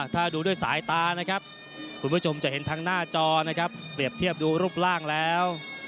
ถ้าดูด้วยสายตานะครับคุณผู้ชมจะเห็นทางหน้าจอนะครับเปรียบเทียบดูรูปร่างแล้ว